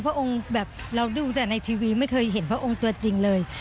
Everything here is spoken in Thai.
พระองค์แบบเราดูแต่ในทีวีไม่เคยเห็นพระองค์ตัวจริงเลย